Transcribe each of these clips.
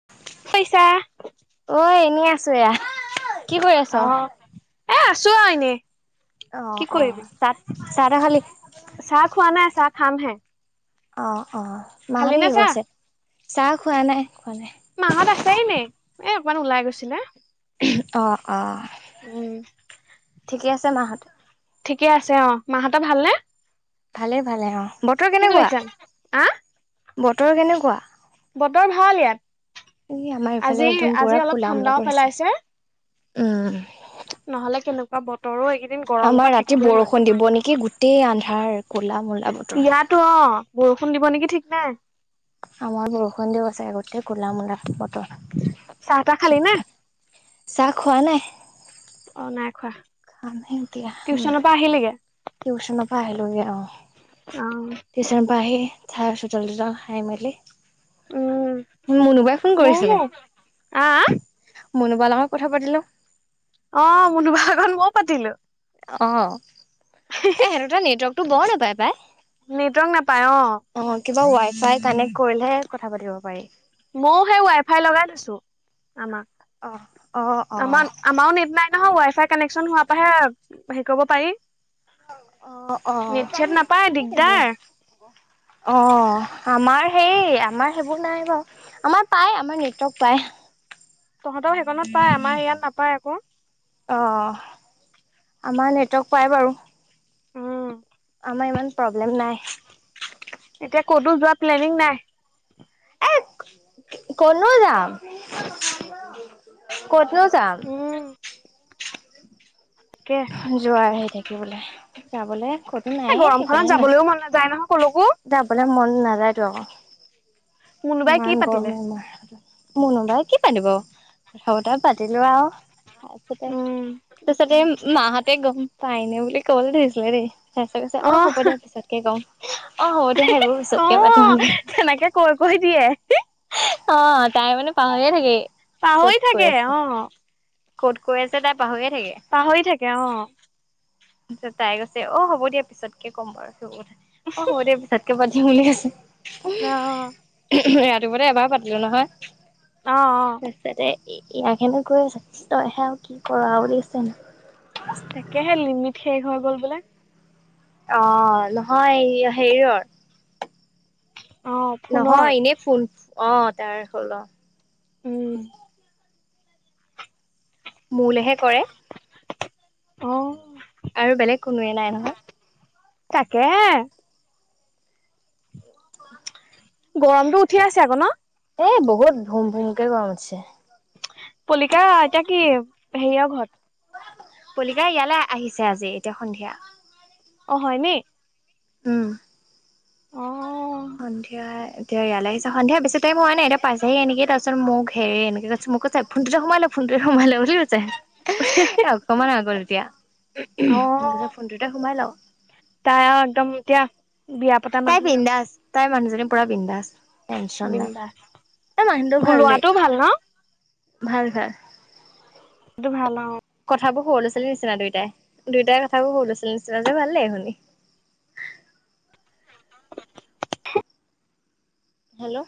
[unintelligible] কি কৰিছা অ এনেই আছো এয়া কি কৰি আছ? অ এ আছো আৰু এনেই অ কি অ কৰিবি? চাহ তাহ খালি চাহ খোৱা নাই চাহ খাম হে অ অ মাহতে কি চাহ? কৰিছে চাহ খোৱা নাই খোৱা নাই। মাহত আছে নে এ অকমান ওলাই গৈছিলে। অ অ উম। ঠিকে আছে মাহত ঠিকে আছে অ মাহত ভালনে ভালে ভালে অ', বতৰ কি কেনেকুৱা কৰিছা? আহ, বতৰ কেনেকুৱা? বতৰ ভাল ইয়াত। এ আমাৰ ইফালে আজি, একদম আজি পুৰা অলপ ক'লা ম'লা ঠাণ্ডাও কৰি আছে। পেলাইছে। উম। নহ'লে কেনেকুৱা বত আমাৰ ৰাতি বৰষুণ দিব নেকি গোটেই আন্ধাৰ ক'লা ম'লা বতৰ। ইয়াতো অ' বৰষুণ দিব নেকি ঠিক নাই। আমাৰ বৰষুণ দিব চাগে গোটেই ক'লা ম'লা বতৰ চাহ তাহ খালি নে? চাহ খোৱা নাই? অ' নাই খোৱা। খামহে এতিয়া, টিউচনৰ পৰা আহিলিগে? টিউচনৰ পৰা আহিলোগে অ'। অ', টিউচন পৰা আহি, ঠাই চোতাল তোতাল সাৰি মেলি- উম, মুনু বাই ফোন ময়ো কৰিছিলে। আহ, মুনু বাৰ লগত কথা পাতিলো। অ' মুনু বাৰ লগত মইও পাতিলো। অ'। হ [inaudible] সিহঁতৰ তাত নেটৱৰ্কতো বৰ নাপায় পাই। নেটৱৰ্ক নাপায় অ'। অ' কিবা ৱাই ফাই কানেক্ট কৰিলেহে কথা পাতিব পাৰি। ময়ও সেই ৱাই ফাই লগাই থৈছো আমাৰ। অ অ অ আমাৰ আমাৰো নেট নাই নহয়, ৱাই ফাই কানেকশ্যন হোৱাৰ পাহে হেৰি কৰিব পাৰি। অ অ নেট চেট নাপায় দিগদাৰ। অ' আমাৰ হেই আমাৰ সেইবোৰ নাই বাৰু। আমাৰ পায় আমাৰ নেটৱৰ্ক পায়। তহঁতৰ সেইকনত পায়, আমাৰ ইয়াত নাপায় আকৌ। অ' আমাৰ নেটৱৰ্ক পাই বাৰু। উম আমাৰ ইমান প্ৰব্লেম নাই। এতিয়া ক'তো যোৱা প্লেনিং নাই? এ ক'তনো যাম ক'তনো যাম। উম। তাকে এই যোৱা আহি থাকিবলে যাবলৈ ক'ত এই গৰমখনত যাবলৈও মন নাযায় নহয় কলৈকো। যাবলে মন নাযায়তো আকৌ মুনুবাই কি ইমান গৰম পাতিলে আমাৰ। মুনুবাই কি পাতিব কথা বতৰা পাতিলো আৰু, তাৰপিছতে উম তাৰপিছতে মাহঁতে গ'ম পাইনে বুলি ক'বলৈ ধৰিছিলে দেই, তাৰ পিছত কৈছে অ হ'ব দে। পিছত কে ক'ম, অ' হ'ব দিয়া সেইবোৰ অ পিছতকে পাতিম ন'হলে। তেনেকে কৈ কৈ দিয়ে। অ' তাই মানে পাহৰিয়ে থাকে। ক'ত পাহৰি কৈ থাকে। আছে অ' ক'ত কৈ আছে তাই পাহৰিয়ে থাকে। পাহৰি থাকে অ'। পিছত তাই কৈছে অ' হ'ব দিয়া পিছতকে ক'ম বাৰু, অ' হ'ব দিয়া পিছত কে পাতিম বুলি কৈছে, অ' ৰাতিপুৱাতে এবাৰ পাতিলো নহয়। অ' অ'। ছতে ইয়াক হেনো কৈ আছে, তইহে আৰু কি কৰা বুলি কৈছে হেনো। তাকেহে লিমিট শেষ হৈ গ'ল বোলে। অ' নহয় হেৰিৰ। অ ফোনৰ নহয় এনেই ফোন অ' তাৰ হ'ল অ'। উম। মোলেহে কৰে। অ। আৰু বেলেগ কোনোৱে নাই নহয়। তাকে গৰমটো উঠি আছে আকৌ ন? এ বহুত ভুম ভুম কে গৰম উঠিছে। পলিকা এতিয়া কি হেৰিৰ ঘৰত। পলিকা ইয়ালৈ আহিছে আজি এতিয়া সন্ধিয়া। অ হয়নি। উম। অ অ সন্ধিয়া এতিয়া ইয়ালৈ আহিছে। সন্ধিয়া বেছি টাইম হোৱা নাই এতিয়া পাইছেহে নেকি, তাৰ পিছত মোক হেৰি এনেকৈ মোক কৈছে ফোনটোতে সোমাই ল ফোনটোতে সোমাই ল বুলি কৈছে। [unintelligible] অকণমান আগত এতিয়া। অ মোক কৈছে ফোনটোতে সোমাই ল। তাই আৰু একদম এতিয়া বিয়া পতা তাই মানুহ বিন্দাছ, তাই মানুহজনী পুৰা বিন্দাছ। টেনশন নাই, বিন্দাছ তাই মানুহটো ভাল দেই, লৰাটো ভাল ন ভাল ভাল। টো ভাল অ। কথাবোৰ সৰু-ল'ৰাৱালীৰ নিচিনা দুইটাই, দুয়োটাই কথাবোৰ সৰু ল'ৰা-ছোৱালী নিচিনা যে ভাল লাগে শুনি। হেল্ল'।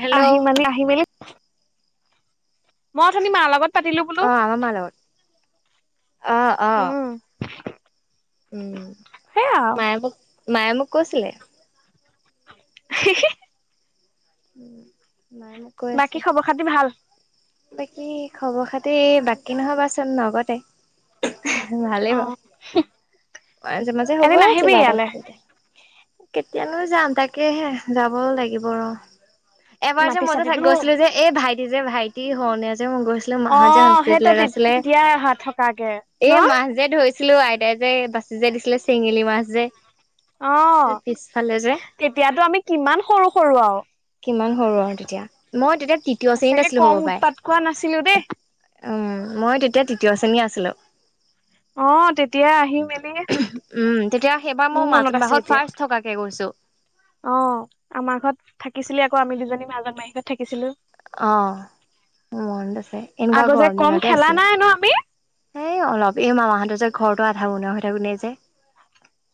হেল্ল' আহিম মানে আহিমেলি মই উঠনি মাৰ লগত পাতিলো বোলো অ আমাৰ মা লগত। অ অ। [inaudible] উম সেয়া মায়ে মোক, মায়ে মোক কৈছিলে। [unintelligible] উম মাই মোক কৈ আছে বাকী খবৰ-খাতি ভাল? বাকী খবৰ-খাতি, বাকী নোহবচোন নগতে ভালেই অ বাৰু। মাজে মাজে হ'ব এদিন আৰু আহিবি কিবা ইয়ালে এটা ক কেতিয়ানো যাম তাকেহে যাবও লাগিব ৰ। এবাৰ যে মাটি মই যে হে চাটিতো গৈছিলো যে, এই ভাইটি যে ভাইটি [unintelligible] যে মই গৈছিল অ মাহত যে সেই তই হস্পিতেলত আছিলে, তেতিয়া অহা থকাকে ন এই মাছ যে ধৰিছিলো ছিলো আইতাই যে বাছি যে দিছিলে চেঙেলী মাছ যে। অ পিছফালে যে তেতিয়াতো আমি কিমান সৰু-সৰু আৰু। কিমান সৰু আৰু তেতিয়া, মই তেতিয়া তৃতীয় সঁচাকে শ্ৰেণীত আছিলো কম হ'ব উৎপাত কোৱা নাছিলো দেই। উ মই তেতিয়া তৃতীয় শ্ৰেণী আছিলোঁ। অ তেতিয়াই আহি মেলি উম তেতিয়া সেইবাৰ মই মোৰ মনত [unintelligible] আছে মাহত এতিয়া ফাৰ্ষ্ট থকাকে গৈছো। অ আমাৰ ঘৰত থাকিছিলি আকৌ আমি দুজনী মাজন মাহী ঘৰত থাকিছিলো। অ মনত আছে, এনেকুৱা আগৰ যে গৰম কম দিনতে খেলা আছিলে। নাই ন আমি এই অলপ এই মামাহঁতৰ যে ঘৰতো আধা বনোৱা হৈ থাকোতে যে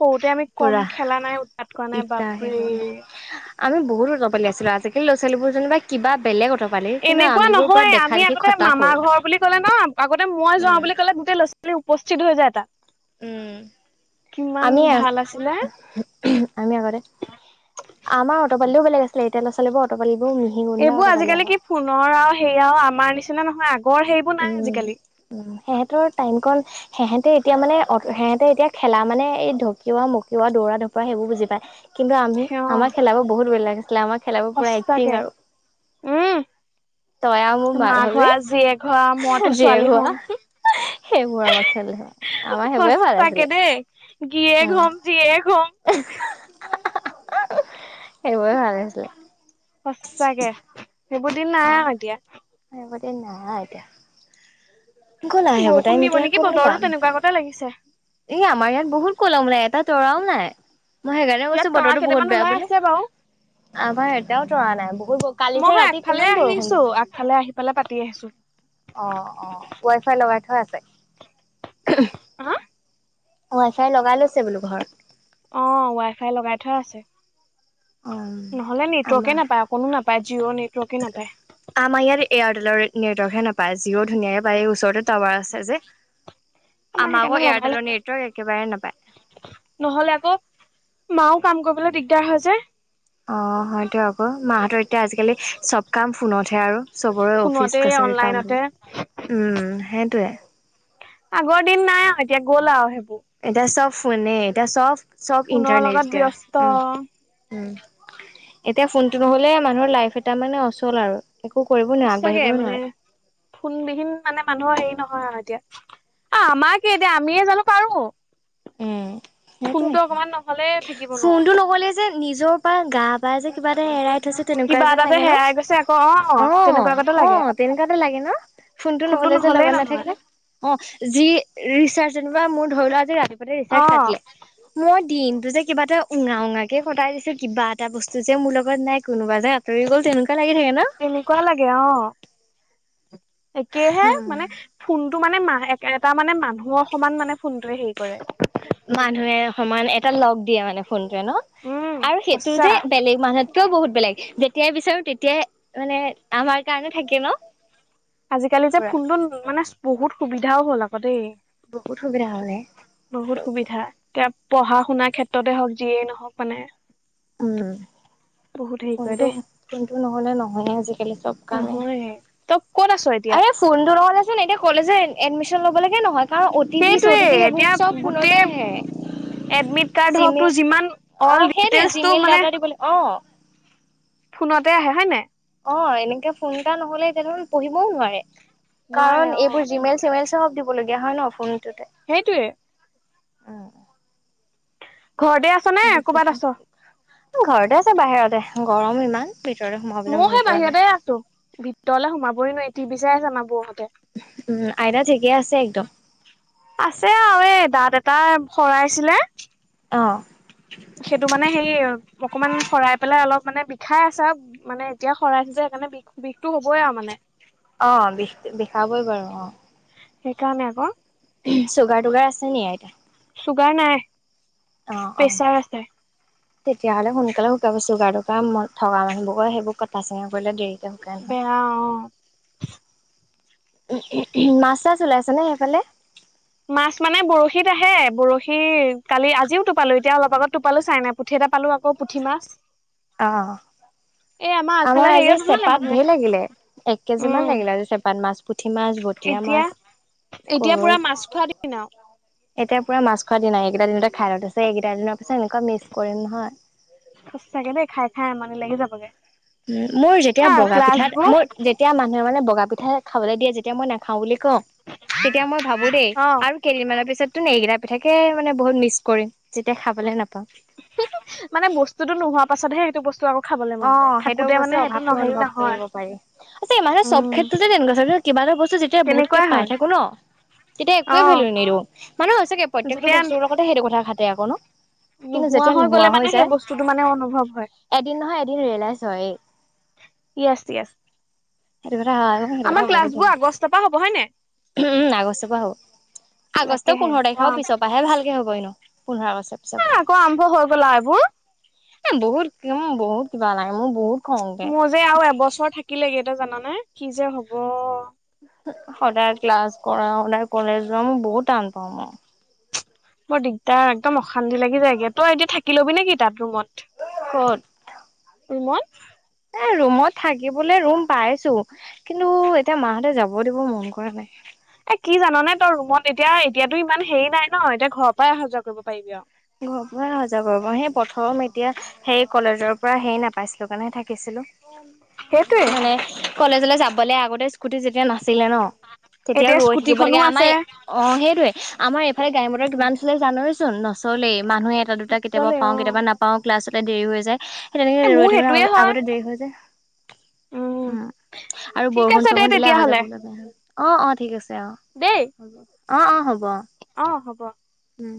সৰুতে আমি কম পুৰা খেলা নাই, উৎপাত কৰা নাই ইটা বাপৰে সেই আমি বহুত অতপালি আছিলো, আজিকালি ল'ৰা ছোৱালীবোৰ যেনিবা কিবা বেলেগ অতপালি। কিন্তু এনেকুৱা আমিবোৰ পুৰা নহয় আমি দেখা দেখি আগতে মামা খটাসুৰ। ঘৰ বুলি কলে ন। আগতে মই যোৱা বুলি কলে গোটে ল'ৰা-ছোৱালী উপস্থিত হৈ যায় তাত। উম কিমান আমি আ ভাল আছিলে আমি আগতে, আমাৰ অতপালিটোও বেলেগ আছিলে এতিয়া লৰা ছোৱালী পালিবোৰ অটপালিবোৰ মিহি গুন্ডা অতপালি আক। সোণৰ আৰু সেই আউ আমাৰ নিচিনা নহয় আগৰ সেই উম উম, সিহঁতৰ টাইম কণ সেহেঁতে এতিয়া মানে অ' সিহঁতে এতিয়া খেলা মানে এই ঢকিওৱা মকিওৱা দৌৰা ঢপৰা সেইবোৰ বুজি পায়। কিন্তু আমি অ আমাৰ খেলাবোৰ বহুত বেলেগ আছিলে আমাৰ খেলাবোৰ পুৰা সঁচাকে এক্টিং আৰু। উম তই আৰু মোৰ মা মাঘৱী ঘৰা জীয়েক ঘৰা মইতো ছোৱালী যিয়েক হোৱা হ'ম সেইবোৰ আমাক খেল, আমাৰ সেইবোৰে ভাল সঁচাকে আছিলে দেই উ। গিৰিয়েক হ'ম জীয়েক হ'ম সেইবোৰে ভাল আছিলে। সচাকে সেইবোৰ দিন নাই আৰু এতিয়া। এনেকুৱা দিন নহয় আউ এতিয়া। ক'লা সেইবোৰ বৰষুণ টাইম দিব এতিয়া নেকি বতৰো তেনেকুৱা গতে লাগিছে। এ আমাৰ ইয়াত বহুত কলমলাই এটা তৰাও নাই। মই সেইকাৰণে ইয়াত কৈছোঁ তৰা বতৰটো কেইটামান বহুত বেয়া ওলাই বুলি। আছে বাৰু আমাৰ এটাও তৰা নাই বহুত কালি মই যে হয় ৰাতি আগফালে কিমান বৰষুণ আহিছো দিছে। আগফালে আহি পেলাই পাতি আহিছো অ', অ', ৱাই ফাই লগাই থোৱা আছে? হা ৱাইফাই লগাই লৈছে বোলো ঘৰত। অ' ৱাই ফাই লগাই থোৱা আছে। উম নহ'লে নেটৱৰ্কে আমাৰ নাপায় অকণো নাপায় জিঅ' নেটৱৰ্কে নাপায়। আমাৰ ইয়াত এয়াৰটেলৰ নেটৱৰ্ক হে নাপায় জিঅ' ধুনীয়াকে পায় এই ওচৰতে টাৱাৰ আছে যে, আমাৰ আক' সেইকাৰণে লগাই লগ এয়াৰটেলৰ নেটৱৰ্ক একেবাৰে নাপায়। নহলে আকৌ মাও কাম কৰিবলৈ দিগদাৰ হয় যে। অ' হয়তো আকৌ মাহঁতৰ এতিয়া আজিকালি চব কাম ফোনতহে আৰু। চবৰে অফিচ ফোনতে কাছাৰী কাম, অনলাইনতে উম সেইটোৱে। আগৰ দিন নাই আৰু এতিয়া গ'ল আৰু সেইবোৰ। এতিয়া চব ফোনে এতিয়া চব চব ফোনৰ ইণ্টাৰনেট লগত এতিয়া ব্যস্ত উম। উম এতিয়া ফোনটো নহলে মানুহৰ লাইফ এটা মানে অচল আৰু। একো কৰিব নোৱাৰে সঁচাকে আগবাঢ়িবই মানে নোৱাৰে ফোনবিহীন মানে মানুহৰ হেৰি নহয় আৰু এতিয়া। অ' আমাকে এতিয়া আমিয়ে জানো পাৰো। উম, সেইটোয়ে ফোনটো অকমান নহ'লে থাকিব ফোনটো নোৱাৰো। নগ'লে যে নিজৰ পৰা গা পাই যে কিবা এটা এৰাই থৈছে তেনেকুৱা কিবা যেন এটা যে লাগে ন'। হেৰাই গৈছে আকৌ অ', তেনেকুৱাকতে লাগে অ', তেনেকুৱাতো লাগে ন'। ফোনটো নহ'লে যে নহলেই লগত নহয় নাথাকিলে অ' যি ৰিচাৰ্জ যেনিবা মোৰ ধৰি লোৱা আজি ৰাতিপুৱাতে অ ৰিচাৰ্জ কাটিলে। মই দিনটো যে কিবা এটা উঙা উঙাকে কটাই দিছোঁ কিবা এটা বস্তু যে মোৰ লগত নাই কোনোবা যে আঁতৰি গ'ল তেনেুৱা লাগি থাকে ন। তেনেকুৱা লাগে অ', একেহে মানে ফোনটো মানে মা এ-এটা মানে মানুহৰ সমান মানে ফোনটোৱে হেৰি কৰে। মানুহে সমান এটা লগ দিয়ে মানে ফোনটোৱে ন'। আৰু উম সেইটো সঁচা যে বেলেগ মানুহ কেও বহুত বেলেগ যেতিয়াই বিচাৰো তেতিয়াই, মানে আমাৰ কাৰণে থাকে ন'। আজিকালি যে পুৰা ফোনটোত মানে বহুত সুবিধাও হ'ল আকৌ দেই। বহুত সুবিধা হ'লে বহুত সুবিধা। এতিয়া পঢ়া শুনাৰ ক্ষেত্ৰতে হওঁক যিয়েই নহওঁক মানে। উম, বহুত হেৰি কৰে ফোনটো দেই ফোনটো নহ'লে নহয়য়ে আজিকালি চব কামে। নহয় তই ক'ত আছ এতিয়া? আৰে ফোনটো নহ'লে চোন এতিয়া কলেজৰ এডমিশ্যন ল'বলৈকে নহয়। কাৰণ অ' টি পি চ সেইটোৱে টি পি সেইবোৰ এতিয়া চব গোটেই ফোনতে আহে। এডমিট কাৰ্ড হওক জিমে তোৰ যিমান অল অ' সেইটোৱে ডিটেইলছটো জিমেল মানে দাতা দিবলৈ অ'। ফোনতে আহে হয় নাই। অ', এনেকে ফোন এটা নহ'লে এতিয়া দেখোন পঢ়িবও নোৱাৰে, নোৱাৰে কাৰণ অ এইবোৰ জিমেইল চিমেইল চব দিবলগীয়া হয় ন' ফোনটোতে। সেইটোৱে। উম, ঘৰতে আ ঘৰতে আছে বাহিৰতে গৰম ইমান! ভিতৰলে সোমাবলৈ মন যোৱা নাই। ভিতৰলৈ সোমাবই নোৱাৰি, টিভি চাই আছে আমাৰ বৌহঁতে। উম, আইতা ঠিকে আছে একদম। আছে আৰু এ দাঁত এটাই সৰাইছিলে অ'। সেইটো মানে হেৰি, অকমান সৰাই পেলাই অলপ মানে বিষাই আছে আৰু মানে এতিয়া সৰাই যে, সেইকাৰণে বিষ-বিষটো হ'বই আৰু মানে। অ', বিষ-বিষাবই বাৰু অ'। সেইকাৰণে আকৌ। চুগাৰ টুগাৰ আছে নি আইতাৰ? চুগাৰ নাই। অ', অ'। প্ৰেচাৰ আছে তেতিয়াহ'লে সোনকালে শুকাব, চুগাৰ টুগাৰ থকা মানুহবোৰে সেইবোৰ কটা চিঙা কৰিলে দেৰি [unintelligible] বেয়া অ মাছ চাছ ওলাইছেনে সেইফালে? মাছ মানে বৰশীত আহে, বৰশী কালি আজিও টোপালো এতিয়া অলপ আগত টোপালো চাইনা পুঠি এটা পালো আকৌ পুঠি মাছ। অ'। এই আগফালে আমাৰ আজি হেৰিয়ত ধুৱালে চেপাত মানুহে ঢেৰ লাগিলে, এক কেজি মান উম লাগিলে আজি চেপাত মাছ পুঠি মাছ বতিয়া এতিয়া মাছ, এতিয়া পুৰা কৱৈ মাছ খোৱা দিন আৰু এতিয়া পুৰা মাছ খোৱা দিনাই, এইকেইটা দিনতে খাই লওঁ, এইকেইটা দিনৰ পিছত এনেকুৱা মিছ কৰিম নহয়। সঁচাকে দেই খাই খাই আমানি লাগি যাবগে। উম, মোৰ যেতিয়া অ বগা পিঠাত ক্লাছবোৰ মোৰ যে তিয়া মানুহে মানে বগা পিঠা খাবলৈ দিয়ে, যেতিয়া মই নাখাওঁ বুলি কওঁ, তেতিয়া মই ভাবো দেই অ আৰু কেইদিনমানৰ পিছতো নে এইকেইটা পিঠাকে মানে বহুত মিছ কৰিম যেতিয়া খাবলে নাপাওঁ। মানে বস্তুতো নোহোৱা পাছতহে সেইটো বস্তু আও অ, সেইটো অৱশ্যে অভাৱটো অনুভৱ নহয় কৰিব পাৰি, আ মানহে চব উম ক্ষেত্ৰতে তেনেকুৱা চাবিচোন। কিবা এটা বস্তু যেতিয়া বহুতকে তেনেকুৱাই পাই হয় থাকো ন' তেতিয়া অ একোৱে ভেলু নিদো, মানুহে সচাঁকে প্ৰত্যেকটো যেতিয়া বস্তুৰ লগতে সেইটো কথা খাতে আকৌ ন? কিন্তু নোহোৱা যেতিয়া হৈ গ'লে মানে যায় সেই বস্তুতটো মানে অনুভৱ হয়। এদিন নহয় এদিন ৰিয়েলাইজ হয়ে। য়েছ য়েছ। [unintelligible] সেইটো আমাৰ কথা বহুত ক্লাছবোৰ হয় আগষ্টৰ পৰা হ'ব হয় নাই উম, আগষ্টৰ পৰা হ'ব। আগষ্টৰ তাকেহে পোন্ধৰ অ তাৰিখৰ পিছৰ পৰাহে ভালকে হ'ব এনেও। পোন্ধৰ আগষ্টৰ পিছৰ পৰা। আকৌ আৰম্ভ হৈ গ'ল আও এইবোৰ। এ বহুত-বহু কিবা লাগে মোৰ বহুত খং উঠে। মোৰ যে আৰু এবছৰ থাকিলেগে, তই জাননে কি যে হ'ব! সদায় ক্লাছ কৰা, সদায় কলেজ যোৱা, মই বহুত টান পাওঁ মই। মোৰ দিগদাৰ, একদম অশান্তি লাগি যায়গে, তই এতিয়া থাকি ল'বি নেকি তাত ৰুমত। ক'ত? ৰুমত? এ ৰুমত থাকিবলে ৰুম পাইছো কিন্তু এতিয়া মাহঁতে যাব দিব মন কৰা নাই। এ কি জানানে তই ৰুমত এতিয়া এতিয়াতো ইমান হেৰি নাই ন? এতিয়া ঘৰৰ পৰাই অহা যোৱা কৰিব পাৰিবি আৰু। ঘৰ পৰাই আহা যোৱা কৰিম আৰু, সেই প্ৰথম এতিয়া সেই কলেজৰ পৰা হেই নাপাইছিলো কাৰণেহে থাকিছিলো। সেইটোৱে মানে কলেজলৈ যাবলে আগতে স্কুটি যেতিয়া নাছিলে ন? তেতিয়াও এতিয়া ৰৈ থাকিব স্কুটিখনো লাগে, আছে। আমাৰ অ' সেইটোয়ে আমাৰ এইফালে গাড়ীৰ উম কিমান চলে জানইচোন ন? লেই, মানুহ এটা দুটা কেতিয়াবা নচলে পাওঁ অ। কেতিয়াবা নাপাওঁ ক্লাছতে দেৰি হৈ যায়। সেই তেনেকে এ ৰৈ মোৰ সেইটোৱে থাকোতে হয় আগতে দেৰি হৈ যায়। উম আৰু ঠিক বৰষুণ আছে দে চৰষুণ দিলে অহা তেতিয়াহ'লে। যোবা কৰিবলে বেয়া হয়, অ' অ' ঠিক আছে অ'। দেই। অ' অ' হ'ব। অ' হ'ব। উম।